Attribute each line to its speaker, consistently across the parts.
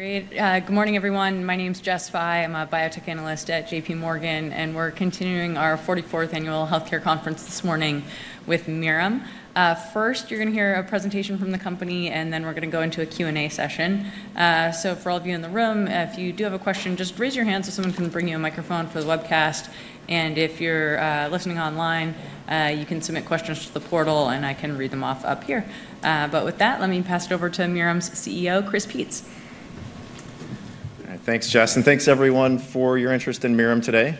Speaker 1: Great. Good morning, everyone. My name's Jess Fye. I'm a biotech analyst at J.P. Morgan, and we're continuing our 44th annual healthcare conference this morning with Mirum. First, you're going to hear a presentation from the company, and then we're going to go into a Q&A session. So for all of you in the room, if you do have a question, just raise your hand so someone can bring you a microphone for the webcast. And if you're listening online, you can submit questions to the portal, and I can read them off up here. But with that, let me pass it over to Mirum's CEO, Chris Peetz.
Speaker 2: Thanks, Jess, and thanks, everyone, for your interest in Mirum today.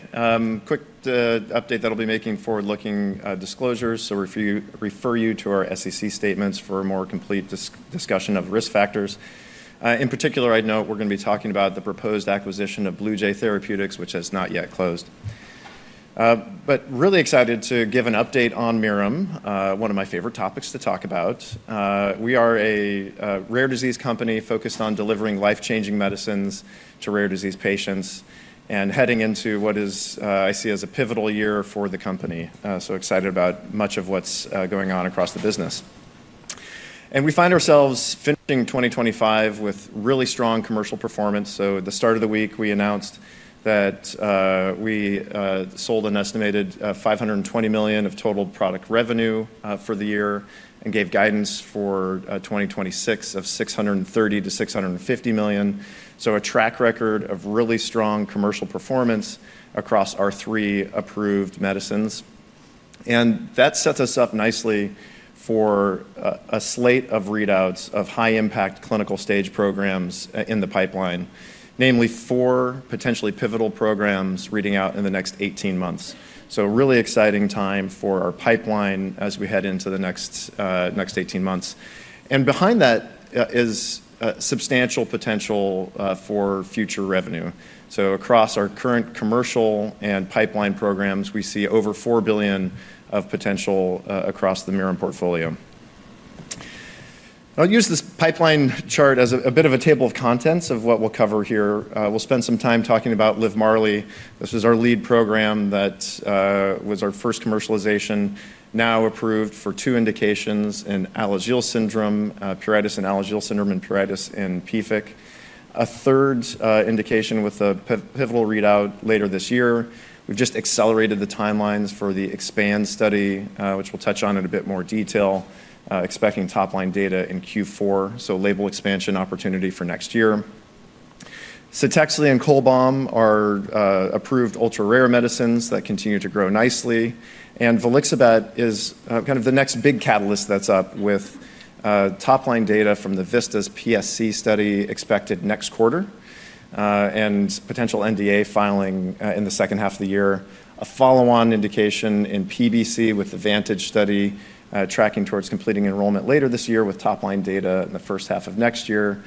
Speaker 2: Quick update that I'll be making forward-looking disclosures to refer you to our SEC statements for a more complete discussion of risk factors. In particular, I know we're going to be talking about the proposed acquisition of BlueJay Therapeutics, which has not yet closed, but really excited to give an update on Mirum, one of my favorite topics to talk about. We are a rare disease company focused on delivering life-changing medicines to rare disease patients and heading into what I see as a pivotal year for the company, so excited about much of what's going on across the business, and we find ourselves finishing 2025 with really strong commercial performance. So at the start of the week, we announced that we sold an estimated $520 million of total product revenue for the year and gave guidance for 2026 of $630-$650 million. So a track record of really strong commercial performance across our three approved medicines. And that sets us up nicely for a slate of readouts of high-impact clinical stage programs in the pipeline, namely four potentially pivotal programs reading out in the next 18 months. So a really exciting time for our pipeline as we head into the next 18 months. And behind that is substantial potential for future revenue. So across our current commercial and pipeline programs, we see over $4 billion of potential across the Mirum portfolio. I'll use this pipeline chart as a bit of a table of contents of what we'll cover here. We'll spend some time talking about Livmarli. This is our lead program that was our first commercialization, now approved for two indications in Alagille syndrome: pruritus and Alagille syndrome and pruritus in PFIC. A third indication with a pivotal readout later this year. We have just accelerated the timelines for the EXPAND study, which we will touch on in a bit more detail, expecting top-line data in Q4, so label expansion opportunity for next year. Chenodal and Cholbam are approved ultra-rare medicines that continue to grow nicely. Volixibat is kind of the next big catalyst that's up with top-line data from the VISTAS PSC study expected next quarter and potential NDA filing in the second half of the year. A follow-on indication in PBC with the VANTAGE study tracking towards completing enrollment later this year with top-line data in the first half of next year.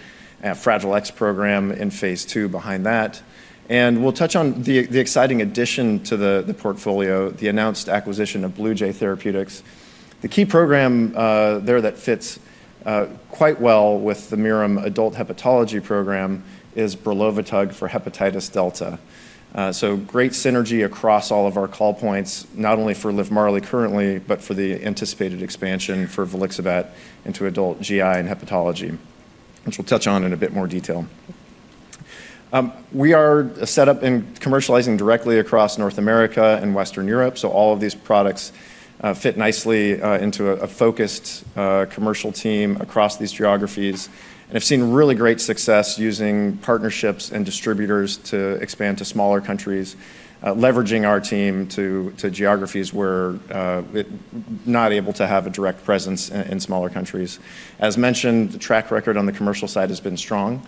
Speaker 2: Fragile X program in phase 2 behind that. We'll touch on the exciting addition to the portfolio, the announced acquisition of BlueJay Therapeutics. The key program there that fits quite well with the Mirum adult hepatology program is Brilovatug for hepatitis delta. Great synergy across all of our call points, not only for Livmarli currently, but for the anticipated expansion for Volixibat into adult GI and hepatology, which we'll touch on in a bit more detail. We are set up and commercializing directly across North America and Western Europe. All of these products fit nicely into a focused commercial team across these geographies. I've seen really great success using partnerships and distributors to expand to smaller countries, leveraging our team to geographies where it's not able to have a direct presence in smaller countries. As mentioned, the track record on the commercial side has been strong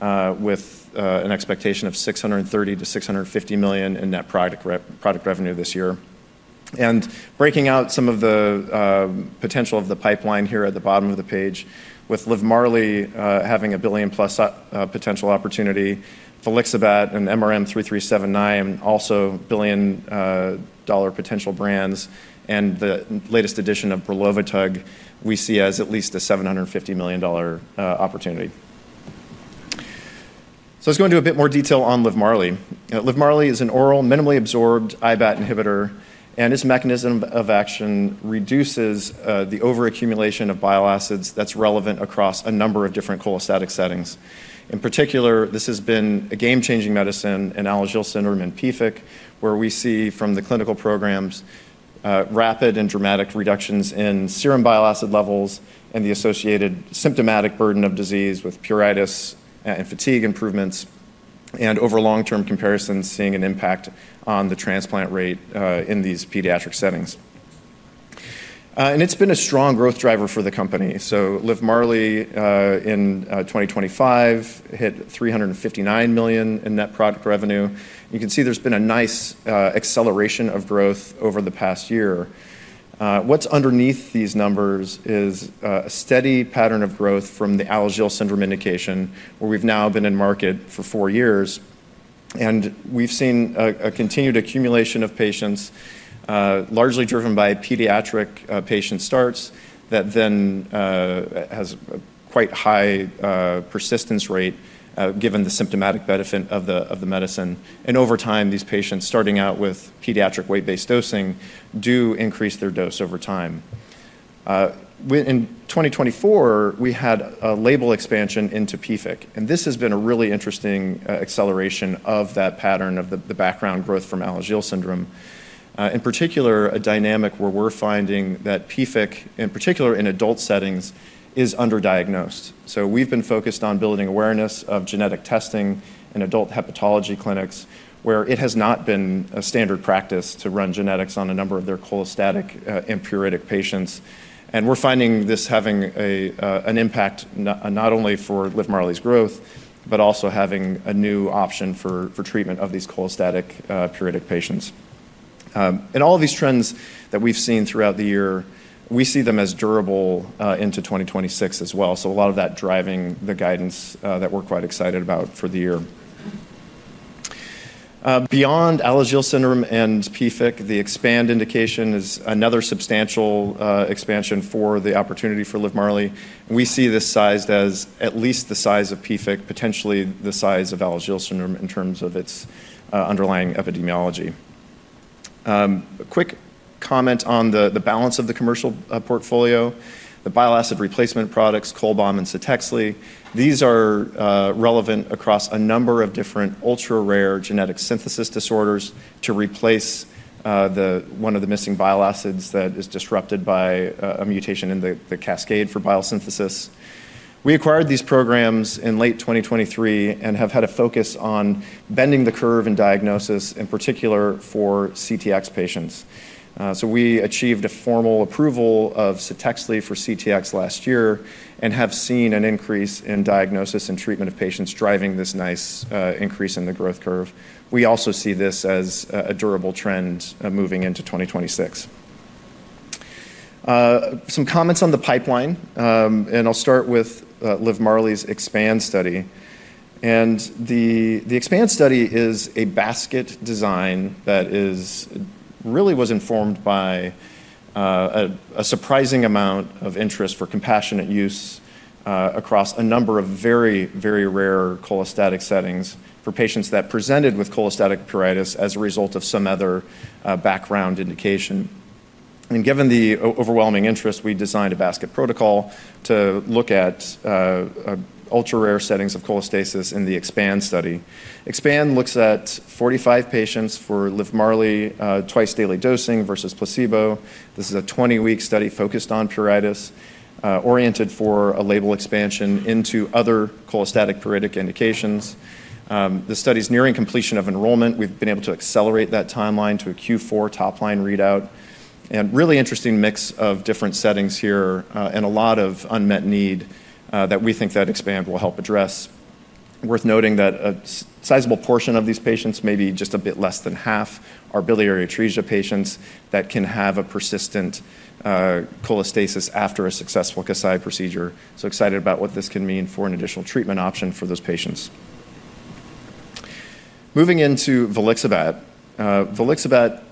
Speaker 2: with an expectation of $630-$650 million in net product revenue this year. And breaking out some of the potential of the pipeline here at the bottom of the page, with Livmarli having a billion-plus potential opportunity, Volixibat and MRM-3379, also billion-dollar potential brands, and the latest addition of Brilovatug, we see as at least a $750 million opportunity. So let's go into a bit more detail on Livmarli. Livmarli is an oral, minimally absorbed IBAT inhibitor, and its mechanism of action reduces the over-accumulation of bile acids that's relevant across a number of different cholestatic settings. In particular, this has been a game-changing medicine in Alagille syndrome and PFIC, where we see from the clinical programs rapid and dramatic reductions in serum bile acid levels and the associated symptomatic burden of disease with pruritus and fatigue improvements, and over long-term comparisons, seeing an impact on the transplant rate in these pediatric settings. And it's been a strong growth driver for the company. So Livmarli in 2025 hit $359 million in net product revenue. You can see there's been a nice acceleration of growth over the past year. What's underneath these numbers is a steady pattern of growth from the Alagille syndrome indication, where we've now been in market for four years. And we've seen a continued accumulation of patients, largely driven by pediatric patient starts that then has a quite high persistence rate given the symptomatic benefit of the medicine. And over time, these patients starting out with pediatric weight-based dosing do increase their dose over time. In 2024, we had a label expansion into PFIC, and this has been a really interesting acceleration of that pattern of the background growth from Alagille syndrome. In particular, a dynamic where we're finding that PFIC, in particular in adult settings, is underdiagnosed. So we've been focused on building awareness of genetic testing in adult hepatology clinics, where it has not been a standard practice to run genetics on a number of their cholestatic and pruritic patients. And we're finding this having an impact not only for Livmarli's growth, but also having a new option for treatment of these cholestatic and pruritic patients. And all of these trends that we've seen throughout the year, we see them as durable into 2026 as well. So a lot of that driving the guidance that we're quite excited about for the year. Beyond Alagille syndrome and PFIC, the EXPAND indication is another substantial expansion for the opportunity for Livmarli. We see this sized as at least the size of PFIC, potentially the size of Alagille syndrome in terms of its underlying epidemiology. A quick comment on the balance of the commercial portfolio, the bile acid replacement products, Cholbam and Chenodal, these are relevant across a number of different ultra-rare genetic synthesis disorders to replace one of the missing bile acids that is disrupted by a mutation in the cascade for biosynthesis. We acquired these programs in late 2023 and have had a focus on bending the curve in diagnosis, in particular for CTX patients. We achieved a formal approval of Chenodal for CTX last year and have seen an increase in diagnosis and treatment of patients driving this nice increase in the growth curve. We also see this as a durable trend moving into 2026. Some comments on the pipeline, and I'll start with Livmarli's EXPAND study. The EXPAND study is a basket design that really was informed by a surprising amount of interest for compassionate use across a number of very, very rare cholestatic settings for patients that presented with cholestatic pruritus as a result of some other background indication. Given the overwhelming interest, we designed a basket protocol to look at ultra-rare settings of cholestasis in the EXPAND study. EXPAND looks at 45 patients for Livmarli twice-daily dosing versus placebo. This is a 20-week study focused on pruritus, oriented for a label expansion into other cholestatic pruritic indications. The study's nearing completion of enrollment. We've been able to accelerate that timeline to a Q4 top-line readout, and really interesting mix of different settings here and a lot of unmet need that we think that EXPAND will help address. Worth noting that a sizable portion of these patients, maybe just a bit less than half, are biliary atresia patients that can have a persistent cholestasis after a successful Kasai procedure, so excited about what this can mean for an additional treatment option for those patients. Moving into Volixibat,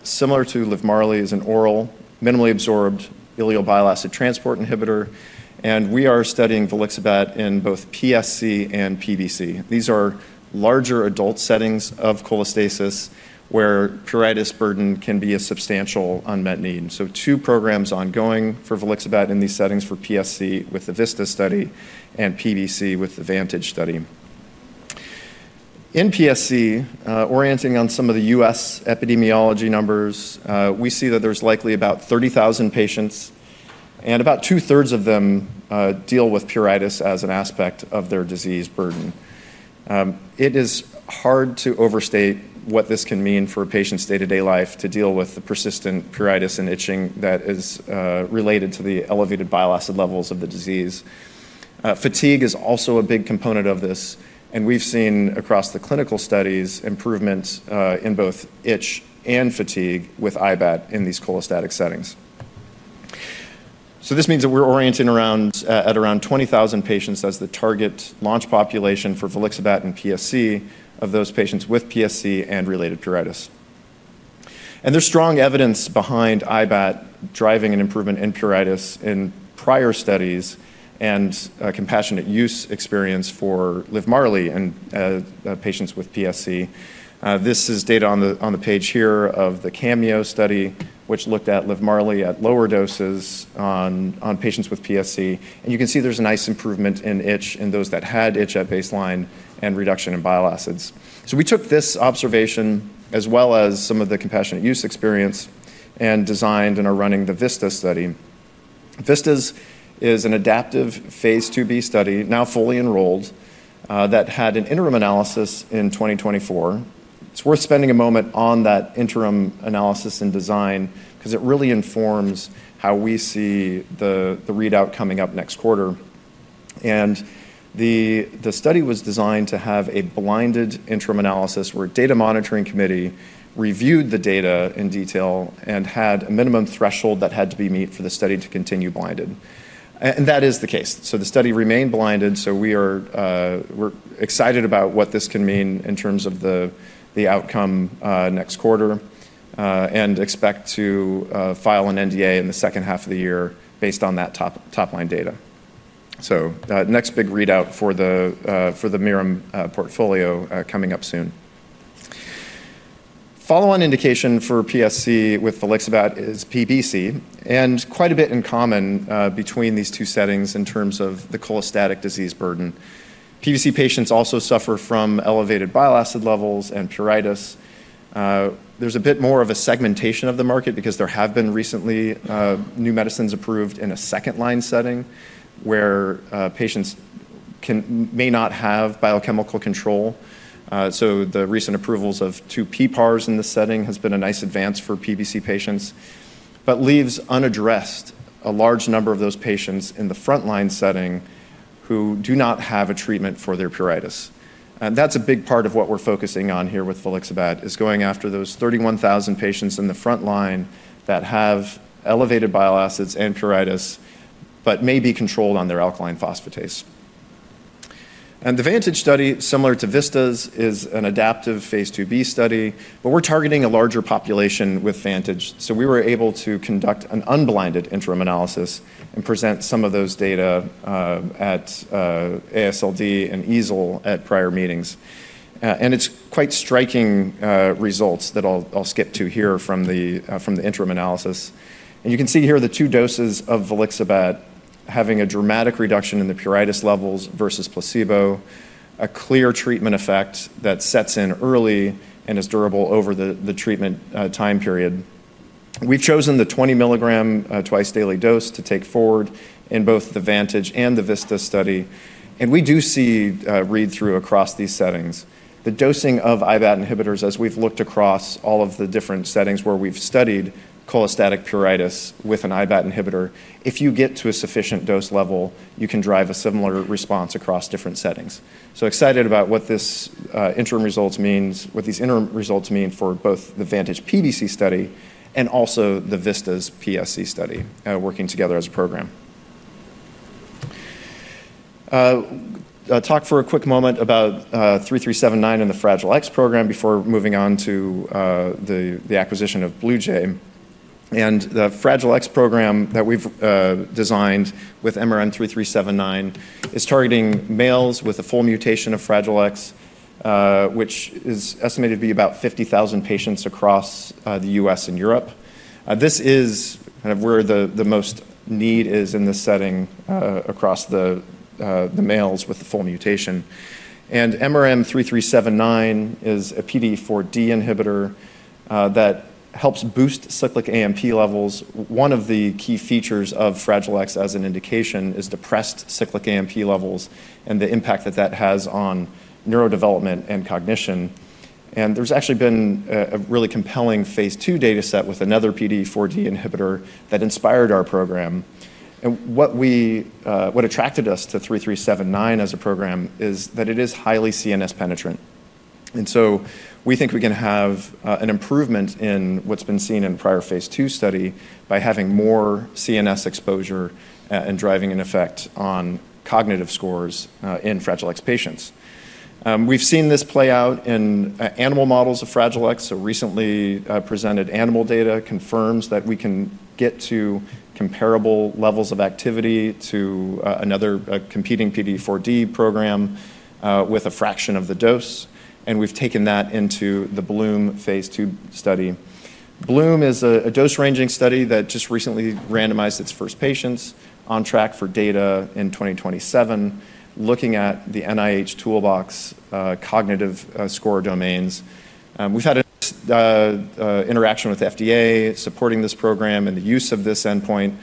Speaker 2: similar to Livmarli, is an oral, minimally absorbed ileal bile acid transport inhibitor, and we are studying Volixibat in both PSC and PBC. These are larger adult settings of cholestasis where pruritus burden can be a substantial unmet need. So two programs ongoing for Volixibat in these settings for PSC with the VISTAS study and PBC with the VANTAGE study. In PSC, orienting on some of the U.S. epidemiology numbers, we see that there's likely about 30,000 patients, and about two-thirds of them deal with pruritus as an aspect of their disease burden. It is hard to overstate what this can mean for a patient's day-to-day life to deal with the persistent pruritus and itching that is related to the elevated bile acid levels of the disease. Fatigue is also a big component of this, and we've seen across the clinical studies improvements in both itch and fatigue with IBAT in these cholestatic settings. So this means that we're orienting around at around 20,000 patients as the target launch population for Volixibat and PSC of those patients with PSC and related pruritus. There's strong evidence behind IBAT driving an improvement in pruritus in prior studies and compassionate use experience for Livmarli and patients with PSC. This is data on the page here of the CAMEO study, which looked at Livmarli at lower doses on patients with PSC. You can see there's a nice improvement in itch in those that had itch at baseline and reduction in bile acids. We took this observation as well as some of the compassionate use experience and designed and are running the VISTAS study. VISTAS is an adaptive phase 2b study, now fully enrolled, that had an interim analysis in 2024. It's worth spending a moment on that interim analysis and design because it really informs how we see the readout coming up next quarter. The study was designed to have a blinded interim analysis where a data monitoring committee reviewed the data in detail and had a minimum threshold that had to be met for the study to continue blinded. That is the case. The study remained blinded. We're excited about what this can mean in terms of the outcome next quarter and expect to file an NDA in the second half of the year based on that top-line data. Next big readout for the Mirum portfolio coming up soon. Follow-on indication for PSC with Volixibat is PBC, and quite a bit in common between these two settings in terms of the cholestatic disease burden. PBC patients also suffer from elevated bile acid levels and pruritus. There's a bit more of a segmentation of the market because there have been recently new medicines approved in a second-line setting where patients may not have biochemical control. So the recent approvals of two PPARs in this setting have been a nice advance for PBC patients, but leaves unaddressed a large number of those patients in the front-line setting who do not have a treatment for their pruritus. And that's a big part of what we're focusing on here with Volixibat, is going after those 31,000 patients in the front line that have elevated bile acids and pruritus, but may be controlled on their alkaline phosphatase. And the VANTAGE study, similar to VISTAS, is an adaptive phase 2b study, but we're targeting a larger population with VANTAGE. We were able to conduct an unblinded interim analysis and present some of those data at AASLD and EASL at prior meetings. It's quite striking results that I'll skip to here from the interim analysis. You can see here the two doses of Volixibat having a dramatic reduction in the pruritus levels versus placebo, a clear treatment effect that sets in early and is durable over the treatment time period. We've chosen the 20-milligram twice-daily dose to take forward in both the VANTAGE and the VISTAS study. We do see read-through across these settings. The dosing of IBAT inhibitors, as we've looked across all of the different settings where we've studied cholestatic pruritus with an IBAT inhibitor, if you get to a sufficient dose level, you can drive a similar response across different settings. I'm excited about what these interim results mean, what these interim results mean for both the VANTAGE PBC study and also the VISTAS PSC study working together as a program. I'll talk for a quick moment about 3379 and the Fragile X program before moving on to the acquisition of BlueJ. The Fragile X program that we've designed with MRM-3379 is targeting males with a full mutation of Fragile X, which is estimated to be about 50,000 patients across the U.S. and Europe. This is kind of where the most need is in this setting across the males with the full mutation. MRM-3379 is a PDE4D inhibitor that helps boost cyclic AMP levels. One of the key features of Fragile X as an indication is depressed cyclic AMP levels and the impact that that has on neurodevelopment and cognition. And there's actually been a really compelling phase 2 dataset with another PDE4D inhibitor that inspired our program. And what attracted us to 3379 as a program is that it is highly CNS penetrant. And so we think we can have an improvement in what's been seen in a prior phase 2 study by having more CNS exposure and driving an effect on cognitive scores in Fragile X patients. We've seen this play out in animal models of Fragile X. So recently presented animal data confirms that we can get to comparable levels of activity to another competing PDE4D program with a fraction of the dose. And we've taken that into the BLOOM phase 2 study. BLOOM is a dose-ranging study that just recently randomized its first patients on track for data in 2027, looking at the NIH Toolbox cognitive score domains. We've had an interaction with the FDA supporting this program and the use of this endpoint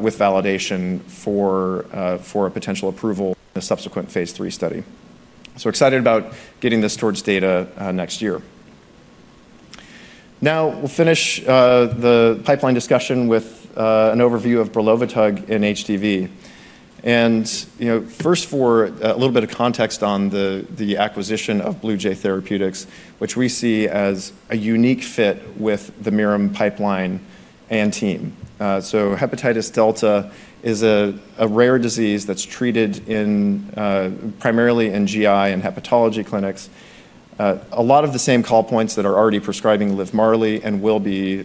Speaker 2: with validation for a potential approval in a subsequent phase 3 study. So excited about getting this towards data next year. Now we'll finish the pipeline discussion with an overview of Brilovatug in HDV. And first, for a little bit of context on the acquisition of BlueJay Therapeutics, which we see as a unique fit with the Mirum pipeline and team. So hepatitis delta is a rare disease that's treated primarily in GI and hepatology clinics. A lot of the same call points that are already prescribing Livmarli and will be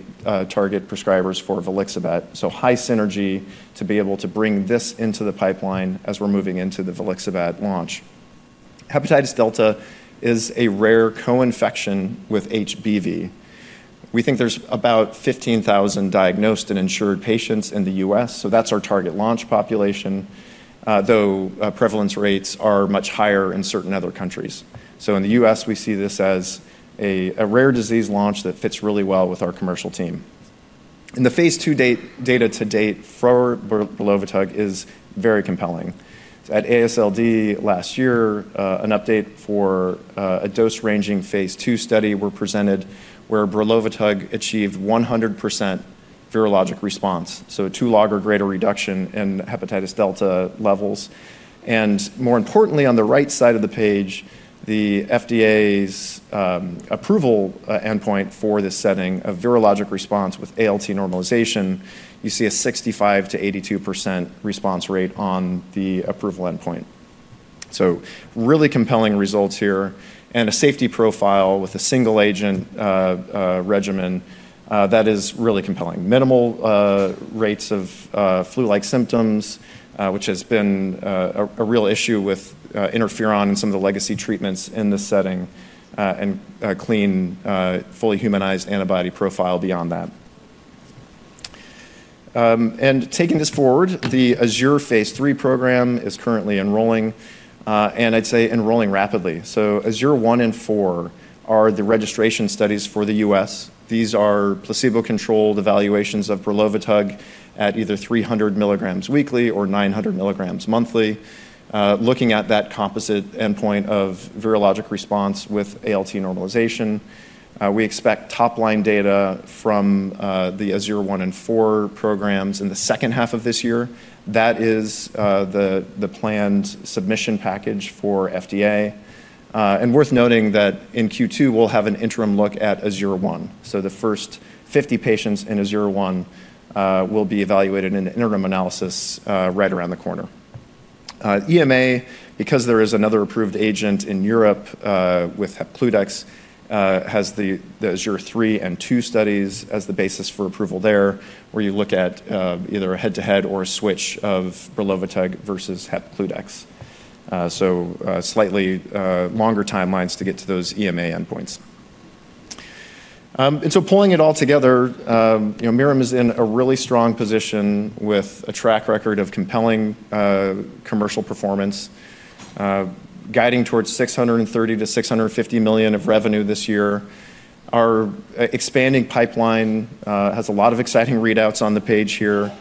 Speaker 2: target prescribers for Volixibat. So high synergy to be able to bring this into the pipeline as we're moving into the Volixibat launch. Hepatitis delta is a rare co-infection with HBV. We think there's about 15,000 diagnosed and insured patients in the U.S. So that's our target launch population, though prevalence rates are much higher in certain other countries. So in the U.S., we see this as a rare disease launch that fits really well with our commercial team. In the phase 2 data to date, Brilovatug is very compelling. At AASLD last year, an update for a dose-ranging phase 2 study was presented where Brilovatug achieved 100% virologic response, so a two log or greater reduction in hepatitis delta levels. And more importantly, on the right side of the page, the FDA's approval endpoint for this setting of virologic response with ALT normalization, you see a 65-82% response rate on the approval endpoint. So really compelling results here and a safety profile with a single agent regimen that is really compelling. Minimal rates of flu-like symptoms, which has been a real issue with interferon and some of the legacy treatments in this setting, and a clean, fully humanized antibody profile beyond that. And taking this forward, the AZURE phase 3 program is currently enrolling, and I'd say enrolling rapidly. So AZURE 1 and 4 are the registration studies for the U.S. These are placebo-controlled evaluations of Brilovatug at either 300 milligrams weekly or 900 milligrams monthly, looking at that composite endpoint of virologic response with ALT normalization. We expect top-line data from the AZURE 1 and 4 programs in the second half of this year. That is the planned submission package for FDA. And worth noting that in Q2, we'll have an interim look at AZURE 1. So the first 50 patients in AZURE 1 will be evaluated in an interim analysis right around the corner. EMA, because there is another approved agent in Europe with Hepcludex, has the AZURE 3 and 2 studies as the basis for approval there, where you look at either a head-to-head or a switch of Brilovatug versus Hepcludex. So slightly longer timelines to get to those EMA endpoints. And so pulling it all together, Mirum is in a really strong position with a track record of compelling commercial performance, guiding towards $630 million-$650 million of revenue this year. Our expanding pipeline has a lot of exciting readouts on the page here.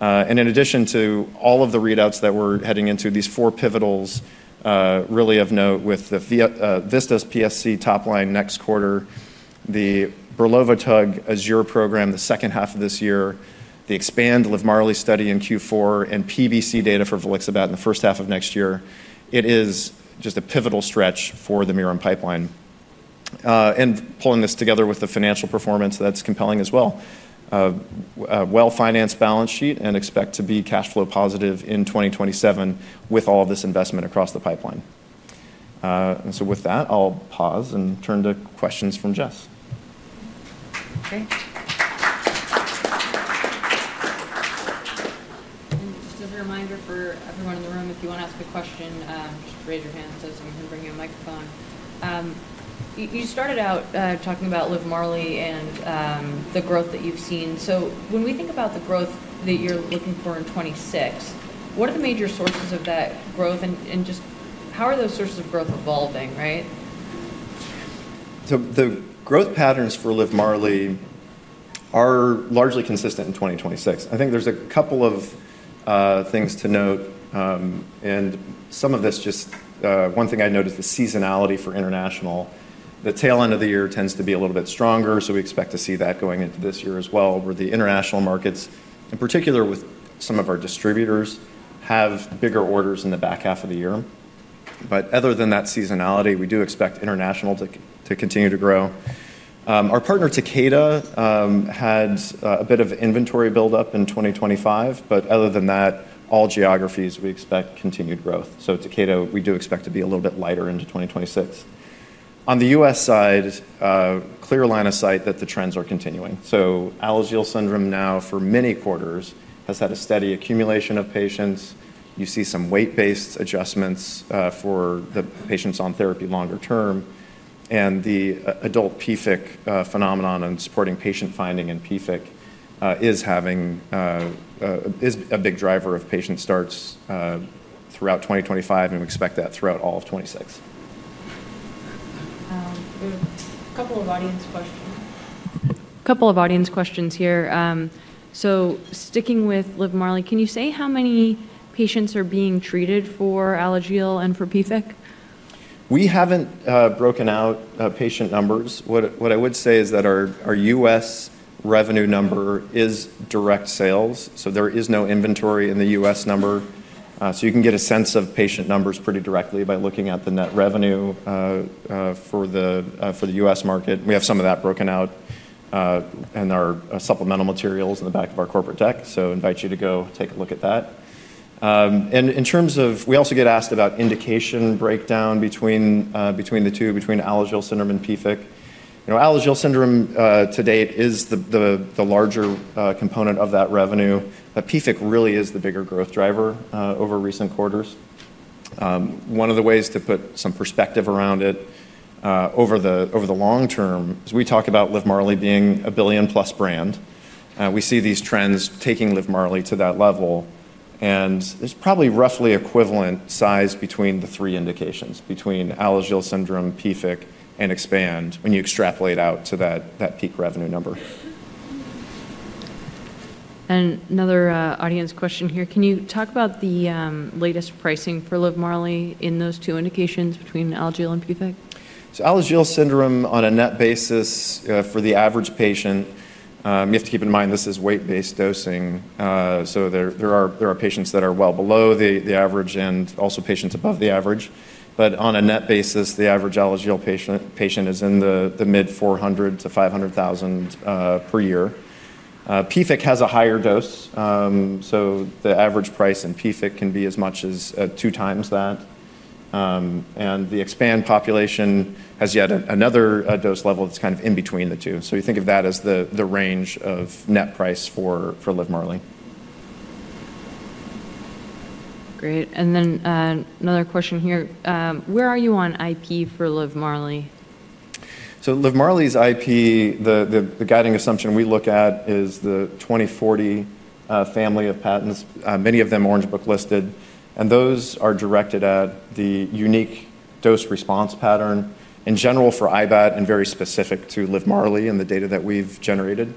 Speaker 2: And in addition to all of the readouts that we're heading into, these four pivotals really of note with the VISTAS PSC top-line next quarter, the Brilovatug AZURE program the second half of this year, the EXPAND Livmarli study in Q4, and PBC data for Volixibat in the first half of next year. It is just a pivotal stretch for the Mirum pipeline, and pulling this together with the financial performance, that's compelling as well. Well-financed balance sheet and expect to be cash flow positive in 2027 with all of this investment across the pipeline, and so with that, I'll pause and turn to questions from Jess.
Speaker 1: Thanks. Just as a reminder for everyone in the room, if you want to ask a question, just raise your hand. So someone can bring you a microphone. You started out talking about Livmarli and the growth that you've seen. So when we think about the growth that you're looking for in 2026, what are the major sources of that growth? And just how are those sources of growth evolving, right?
Speaker 2: So the growth patterns for Livmarli are largely consistent in 2026. I think there's a couple of things to note. And some of this just one thing I noticed, the seasonality for international. The tail end of the year tends to be a little bit stronger. So we expect to see that going into this year as well, where the international markets, in particular with some of our distributors, have bigger orders in the back half of the year. But other than that seasonality, we do expect international to continue to grow. Our partner Takeda had a bit of inventory buildup in 2025. But other than that, all geographies, we expect continued growth. So Takeda, we do expect to be a little bit lighter into 2026. On the U.S. side, clear line of sight that the trends are continuing. Alagille syndrome now for many quarters has had a steady accumulation of patients. You see some weight-based adjustments for the patients on therapy longer term. The adult PFIC phenomenon and supporting patient finding in PFIC is a big driver of patient starts throughout 2025. We expect that throughout all of 2026.
Speaker 1: A couple of audience questions. Couple of audience questions here. So sticking with Livmarli, can you say how many patients are being treated for Alagille and for PFIC?
Speaker 2: We haven't broken out patient numbers. What I would say is that our U.S. revenue number is direct sales. So there is no inventory in the U.S. number. So you can get a sense of patient numbers pretty directly by looking at the net revenue for the U.S. market. We have some of that broken out in our supplemental materials in the back of our corporate deck. So invite you to go take a look at that. And in terms of we also get asked about indication breakdown between the two, between Alagille syndrome and PFIC. Alagille syndrome to date is the larger component of that revenue. But PFIC really is the bigger growth driver over recent quarters. One of the ways to put some perspective around it over the long term is we talk about Livmarli being a billion-plus brand. We see these trends taking Livmarli to that level, and there's probably roughly equivalent size between the three indications, between Alagille syndrome, PFIC, and EXPAND when you extrapolate out to that peak revenue number.
Speaker 1: Another audience question here. Can you talk about the latest pricing for Livmarli in those two indications between Alagille and PFIC?
Speaker 2: Alagille syndrome on a net basis for the average patient, you have to keep in mind this is weight-based dosing. There are patients that are well below the average and also patients above the average. But on a net basis, the average Alagille patient is in the mid-$400,000 to $500,000 per year. PFIC has a higher dose. The average price in PFIC can be as much as two times that. The EXPAND population has yet another dose level that's kind of in between the two. You think of that as the range of net price for Livmarli.
Speaker 1: Great. And then another question here. Where are you on IP for Livmarli?
Speaker 2: Livmarli's IP, the guiding assumption we look at is the 2040 family of patents, many of them Orange Book listed. Those are directed at the unique dose response pattern in general for IBAT and very specific to Livmarli and the data that we've generated.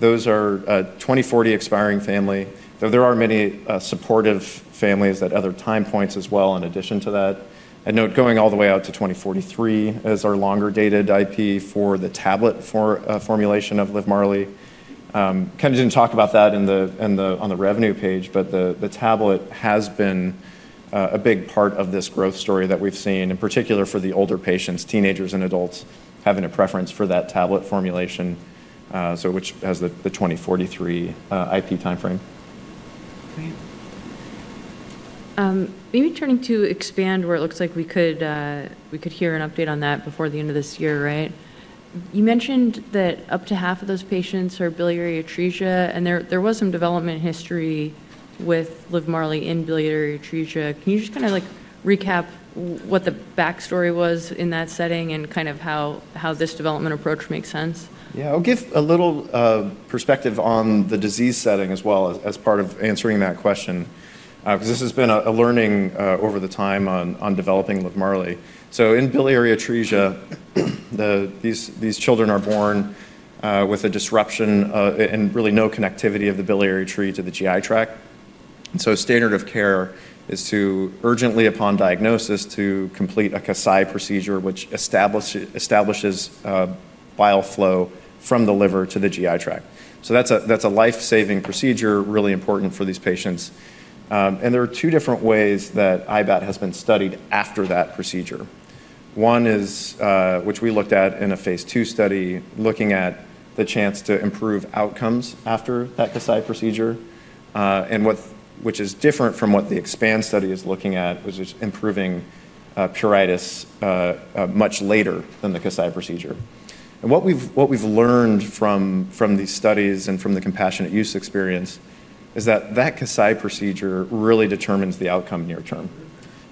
Speaker 2: Those are a 2040 expiring family, though there are many supportive families at other time points as well in addition to that. Note, going all the way out to 2043 is our longer dated IP for the tablet formulation of Livmarli. Kind of didn't talk about that on the revenue page, but the tablet has been a big part of this growth story that we've seen, in particular for the older patients, teenagers and adults having a preference for that tablet formulation, which has the 2043 IP timeframe.
Speaker 1: Great. Maybe turning to EXPAND, where it looks like we could hear an update on that before the end of this year, right? You mentioned that up to half of those patients are biliary atresia. And there was some development history with Livmarli in biliary atresia. Can you just kind of recap what the backstory was in that setting and kind of how this development approach makes sense?
Speaker 2: Yeah. I'll give a little perspective on the disease setting as well as part of answering that question, because this has been a learning over the time on developing Livmarli. So in biliary atresia, these children are born with a disruption and really no connectivity of the biliary tree to the GI tract. And so standard of care is to urgently, upon diagnosis, to complete a Kasai procedure, which establishes bile flow from the liver to the GI tract. So that's a lifesaving procedure, really important for these patients. And there are two different ways that IBAT has been studied after that procedure. One is, which we looked at in a phase 2 study, looking at the chance to improve outcomes after that Kasai procedure, which is different from what the EXPAND study is looking at, which is improving pruritus much later than the Kasai procedure. And what we've learned from these studies and from the compassionate use experience is that that Kasai procedure really determines the outcome near term.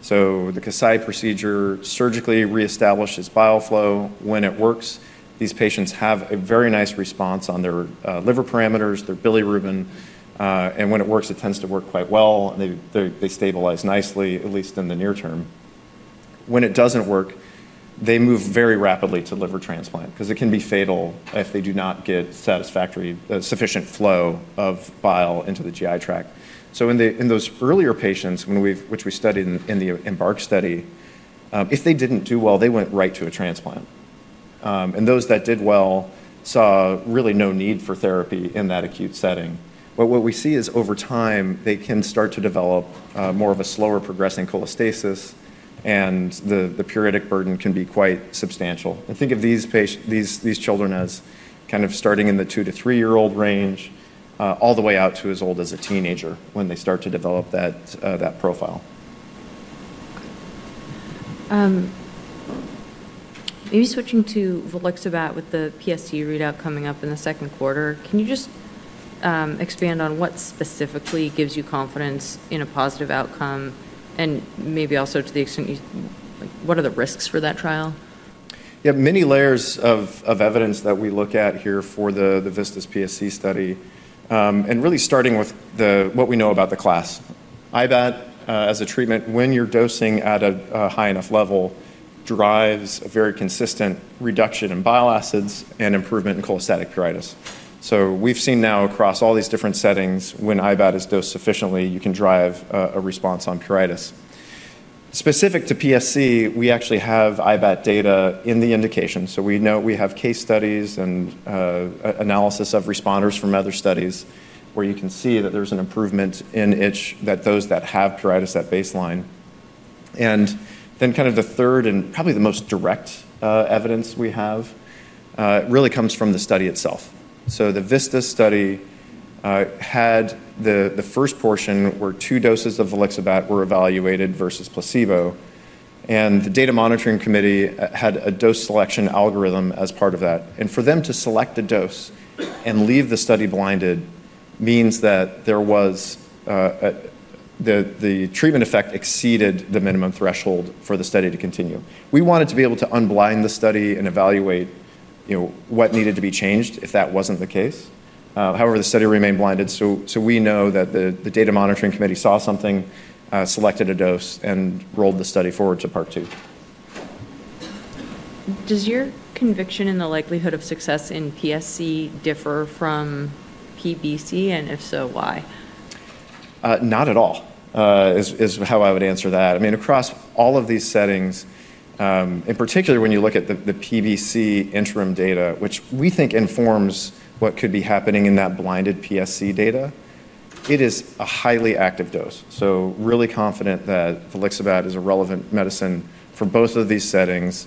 Speaker 2: So the Kasai procedure surgically reestablishes bile flow when it works. These patients have a very nice response on their liver parameters, their bilirubin. And when it works, it tends to work quite well. They stabilize nicely, at least in the near term. When it doesn't work, they move very rapidly to liver transplant, because it can be fatal if they do not get sufficient flow of bile into the GI tract. So in those earlier patients, which we studied in the EMBARK study, if they didn't do well, they went right to a transplant. And those that did well saw really no need for therapy in that acute setting. But what we see is over time, they can start to develop more of a slower progressing cholestasis, and the pruritic burden can be quite substantial. And think of these children as kind of starting in the two- to three-year-old range all the way out to as old as a teenager when they start to develop that profile.
Speaker 1: Okay. Maybe switching to Volixibat with the PSC readout coming up in the second quarter, can you just expand on what specifically gives you confidence in a positive outcome, and maybe also to the extent, what are the risks for that trial?
Speaker 2: Yeah. Many layers of evidence that we look at here for the VISTAS PSC study, and really starting with what we know about the class. IBAT, as a treatment, when you're dosing at a high enough level, drives a very consistent reduction in bile acids and improvement in cholestatic pruritus, so we've seen now across all these different settings, when IBAT is dosed sufficiently, you can drive a response on pruritus. Specific to PSC, we actually have IBAT data in the indication, so we know we have case studies and analysis of responders from other studies, where you can see that there's an improvement in itch that those that have pruritus, that baseline, and then kind of the third and probably the most direct evidence we have really comes from the study itself, so the VISTAS study had the first portion where two doses of Volixibat were evaluated versus placebo. And the data monitoring committee had a dose selection algorithm as part of that. And for them to select a dose and leave the study blinded means that the treatment effect exceeded the minimum threshold for the study to continue. We wanted to be able to unblind the study and evaluate what needed to be changed if that wasn't the case. However, the study remained blinded. So we know that the data monitoring committee saw something, selected a dose, and rolled the study forward to part two.
Speaker 1: Does your conviction in the likelihood of success in PSC differ from PBC, and if so, why?
Speaker 2: Not at all is how I would answer that. I mean, across all of these settings, in particular when you look at the PBC interim data, which we think informs what could be happening in that blinded PSC data, it is a highly active dose. So really confident that Volixibat is a relevant medicine for both of these settings,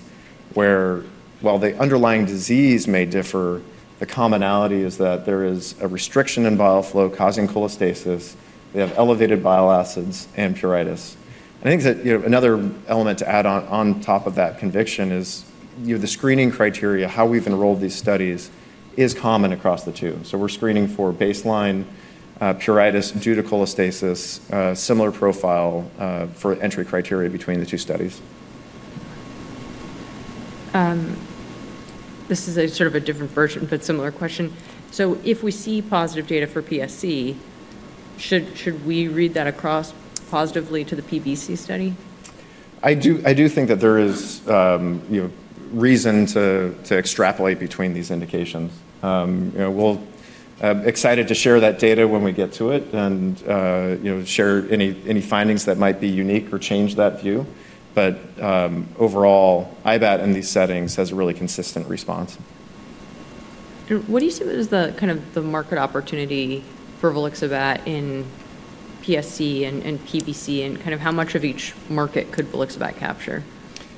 Speaker 2: where while the underlying disease may differ, the commonality is that there is a restriction in bile flow causing cholestasis. They have elevated bile acids and pruritus. And I think that another element to add on top of that conviction is the screening criteria, how we've enrolled these studies, is common across the two. So we're screening for baseline pruritus due to cholestasis, similar profile for entry criteria between the two studies.
Speaker 1: This is a sort of a different version, but similar question. So if we see positive data for PSC, should we read that across positively to the PBC study?
Speaker 2: I do think that there is reason to extrapolate between these indications. We'll be excited to share that data when we get to it and share any findings that might be unique or change that view. But overall, IBAT in these settings has a really consistent response.
Speaker 1: What do you see as kind of the market opportunity for Volixibat in PSC and PBC, and kind of how much of each market could Volixibat capture?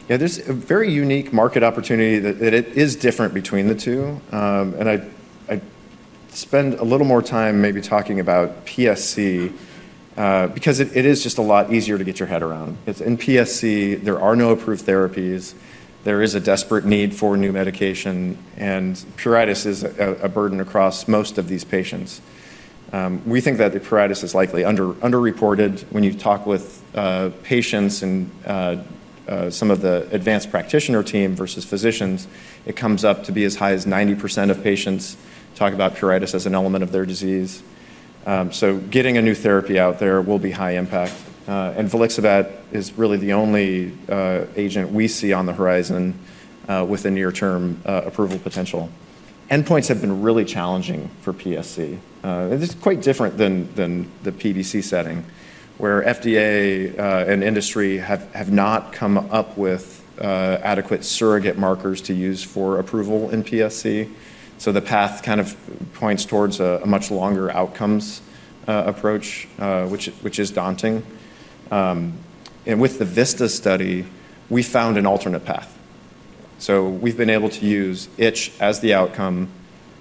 Speaker 2: Yeah. There's a very unique market opportunity that is different between the two. And I spend a little more time maybe talking about PSC, because it is just a lot easier to get your head around. In PSC, there are no approved therapies. There is a desperate need for new medication. And pruritus is a burden across most of these patients. We think that the pruritus is likely underreported. When you talk with patients and some of the advanced practitioner team versus physicians, it comes up to be as high as 90% of patients talk about pruritus as an element of their disease. So getting a new therapy out there will be high impact. And Volixibat is really the only agent we see on the horizon with a near-term approval potential. Endpoints have been really challenging for PSC. This is quite different than the PBC setting, where FDA and industry have not come up with adequate surrogate markers to use for approval in PSC, so the path kind of points towards a much longer outcomes approach, which is daunting, and with the VISTAS study, we found an alternate path, so we've been able to use itch as the outcome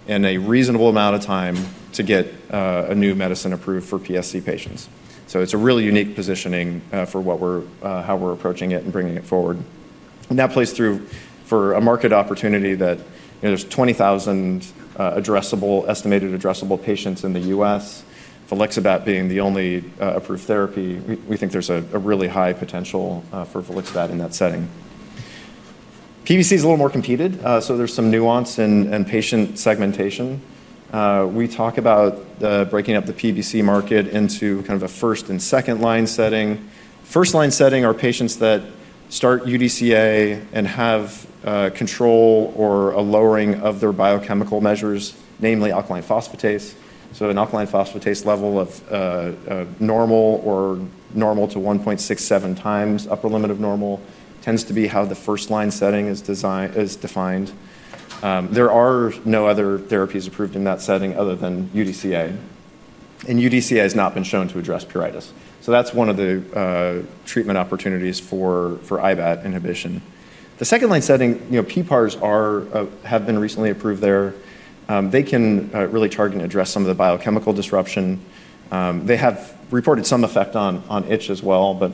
Speaker 2: in a reasonable amount of time to get a new medicine approved for PSC patients, so it's a really unique positioning for how we're approaching it and bringing it forward, and that plays through for a market opportunity that there's 20,000 estimated addressable patients in the U.S., Volixibat being the only approved therapy, we think there's a really high potential for Volixibat in that setting. PBC is a little more competitive, so there's some nuance in patient segmentation. We talk about breaking up the PBC market into kind of a first and second line setting. First line setting are patients that start UDCA and have control or a lowering of their biochemical measures, namely alkaline phosphatase, so an alkaline phosphatase level of normal or normal to 1.67 times upper limit of normal tends to be how the first line setting is defined. There are no other therapies approved in that setting other than UDCA, and UDCA has not been shown to address pruritus, so that's one of the treatment opportunities for IBAT inhibition. The second line setting, PPARs have been recently approved there. They can really target and address some of the biochemical disruption. They have reported some effect on itch as well, but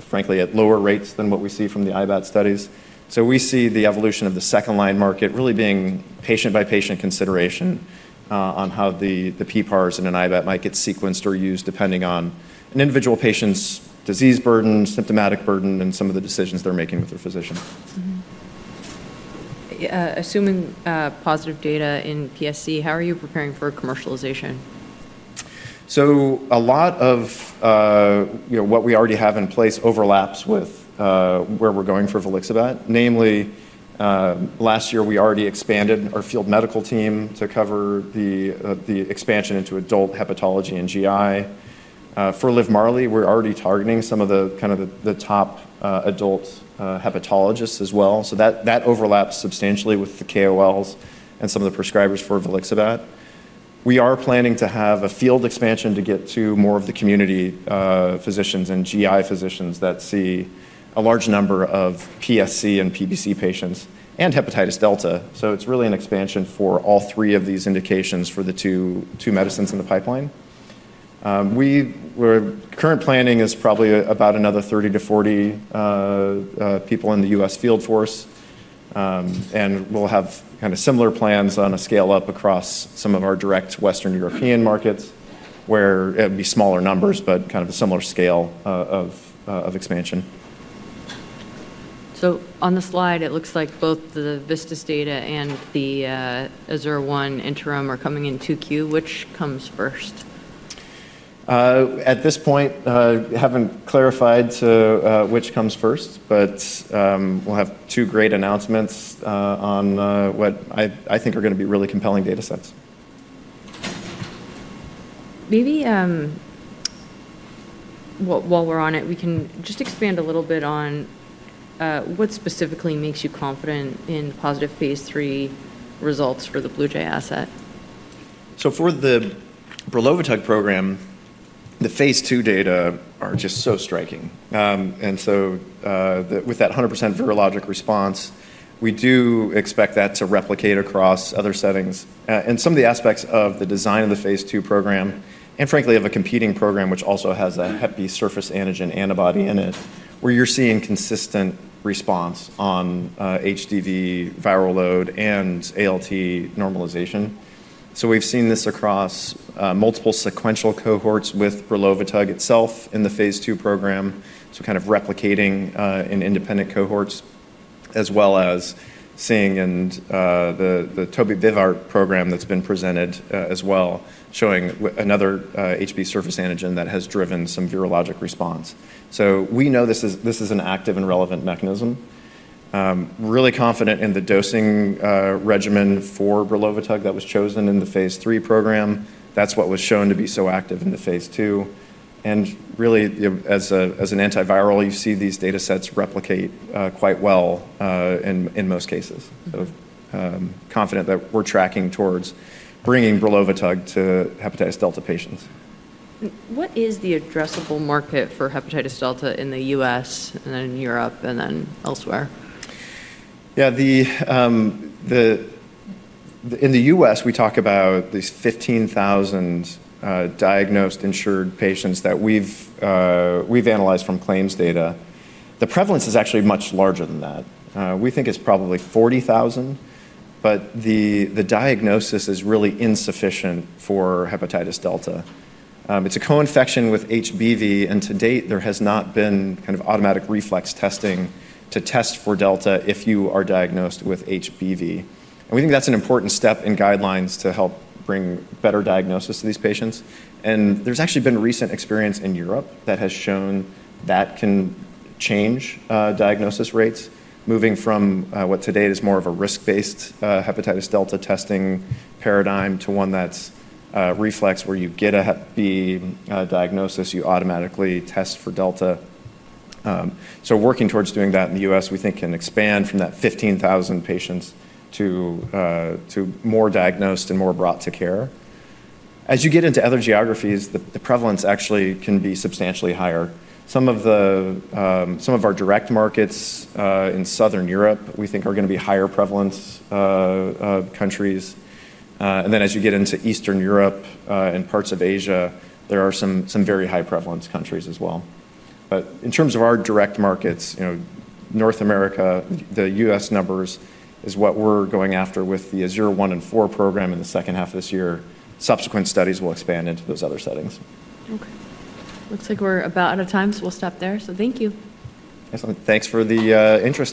Speaker 2: frankly, at lower rates than what we see from the IBAT studies. So we see the evolution of the second line market really being patient-by-patient consideration on how the PPARs in an IBAT might get sequenced or used, depending on an individual patient's disease burden, symptomatic burden, and some of the decisions they're making with their physician.
Speaker 1: Assuming positive data in PSC, how are you preparing for commercialization?
Speaker 2: So a lot of what we already have in place overlaps with where we're going for Volixibat. Namely, last year, we already expanded our field medical team to cover the expansion into adult hepatology and GI. For Livmarli, we're already targeting some of the kind of the top adult hepatologists as well. So that overlaps substantially with the KOLs and some of the prescribers for Volixibat. We are planning to have a field expansion to get to more of the community physicians and GI physicians that see a large number of PSC and PBC patients and hepatitis delta. So it's really an expansion for all three of these indications for the two medicines in the pipeline. Current planning is probably about another 30-40 people in the U.S. field force. We'll have kind of similar plans on a scale-up across some of our direct Western European markets, where it would be smaller numbers, but kind of a similar scale of expansion.
Speaker 1: On the slide, it looks like both the VISTAS data and the AZURE 1 interim are coming in Q2. Which comes first?
Speaker 2: At this point, I haven't clarified which comes first, but we'll have two great announcements on what I think are going to be really compelling data sets.
Speaker 1: Maybe while we're on it, we can just expand a little bit on what specifically makes you confident in positive phase three results for the BlueJ asset.
Speaker 2: For the Brilovatug program, the phase 2 data are just so striking. And so with that 100% virologic response, we do expect that to replicate across other settings and some of the aspects of the design of the phase 2 program, and frankly, of a competing program, which also has a hep B surface antigen antibody in it, where you're seeing consistent response on HDV viral load and ALT normalization. So we've seen this across multiple sequential cohorts with Brilovatug itself in the phase 2 program, so kind of replicating in independent cohorts, as well as seeing in the Tobevibart program that's been presented as well, showing another HB surface antigen that has driven some virologic response. So we know this is an active and relevant mechanism. Really confident in the dosing regimen for Brilovatug that was chosen in the phase 3 program. That's what was shown to be so active in the phase 2. And really, as an antiviral, you see these data sets replicate quite well in most cases. So confident that we're tracking towards bringing Brilovatug to hepatitis delta patients.
Speaker 1: What is the addressable market for hepatitis delta in the U.S. and then Europe and then elsewhere?
Speaker 2: Yeah. In the U.S., we talk about these 15,000 diagnosed insured patients that we've analyzed from claims data. The prevalence is actually much larger than that. We think it's probably 40,000. But the diagnosis is really insufficient for hepatitis delta. It's a co-infection with HBV. And to date, there has not been kind of automatic reflex testing to test for delta if you are diagnosed with HBV. And we think that's an important step in guidelines to help bring better diagnosis to these patients. And there's actually been recent experience in Europe that has shown that can change diagnosis rates, moving from what to date is more of a risk-based hepatitis delta testing paradigm to one that's reflex, where you get a hep B diagnosis, you automatically test for delta. So working towards doing that in the U.S., we think can expand from that 15,000 patients to more diagnosed and more brought to care. As you get into other geographies, the prevalence actually can be substantially higher. Some of our direct markets in Southern Europe, we think, are going to be higher prevalence countries. And then as you get into Eastern Europe and parts of Asia, there are some very high prevalence countries as well. But in terms of our direct markets, North America, the U.S. numbers is what we're going after with the AZURE One and Four program in the second half of this year. Subsequent studies will expand into those other settings.
Speaker 1: Okay. Looks like we're about out of time. So we'll stop there. So thank you.
Speaker 2: Excellent. Thanks for the interest.